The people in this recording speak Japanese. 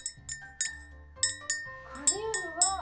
カリウムは。